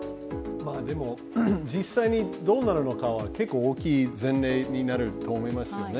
でも実際に、どうなるのかは結構大きい前例になると思いますね。